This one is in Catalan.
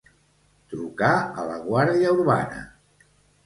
Trucar a la Guàrdia Urbana.